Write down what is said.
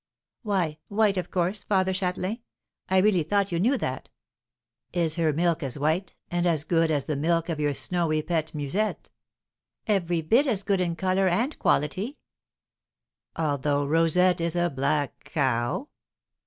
"Why, white, of course, Father Châtelain; I really thought you knew that." "Is her milk as white and as good as the milk of your snowy pet, Musette?" "Every bit as good in colour and quality." "Although Rosette is a black cow?"